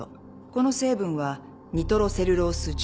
この成分はニトロセルロース樹脂。